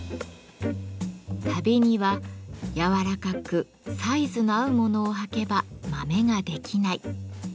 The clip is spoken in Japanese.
旅には柔らかくサイズの合うものを履けばまめができない。